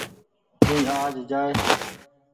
اي آج جآئي۔